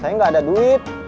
saya nggak ada duit